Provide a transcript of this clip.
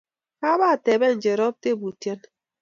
Kabateben Cherop tebutyoni